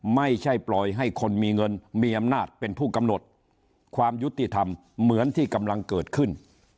ไม่ใช่ปล่อยให้คนมีเงินมีอำนาจเป็นผู้กำหนดความยุติธรรมเหมือนที่กำลังเกิดขึ้น